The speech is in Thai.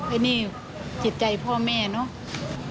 อันนี้จิตใจพ่อแม่เนาะ